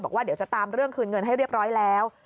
บอกว่าเดี๋ยวจะตามเรื่องคืนเงินให้เรียบร้อยแล้ว